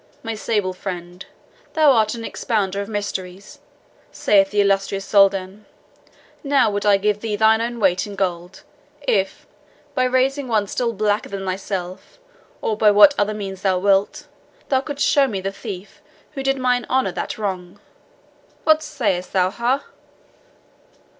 My sable friend, thou art an expounder of mysteries, saith the illustrious Soldan now would I give thee thine own weight in gold, if, by raising one still blacker than thyself or by what other means thou wilt, thou couldst show me the thief who did mine honour that wrong. What sayest thou, ha?"